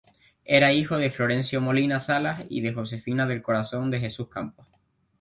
Era hijo de Florencio Molina Salas y de Josefina del Corazón de Jesús Campos.